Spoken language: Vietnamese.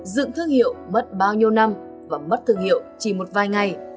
dựng thương hiệu mất bao nhiêu năm và mất thương hiệu chỉ một vài ngày